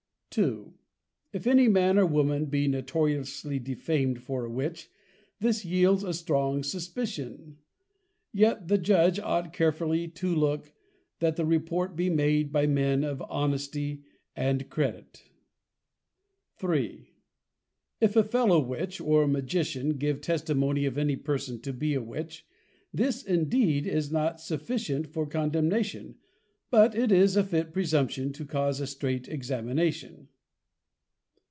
_ II. _If any Man or Woman be notoriously defamed for a +Witch+, this yields a strong Suspition. Yet the Judge ought carefully to look, that the Report be made by +Men+ of Honesty and Credit._ III. _If a +Fellow Witch+, or +Magician+, give Testimony of any Person to be a +Witch+; this indeed is not sufficient for Condemnation; but it is a fit Presumption to cause a strait Examination.